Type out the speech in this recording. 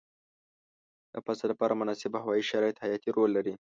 د فصل لپاره مناسب هوايي شرایط حیاتي رول لري.